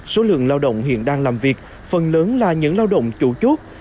số lượng lao động hiện đang làm việc phần lớn là những lao động chủ chốt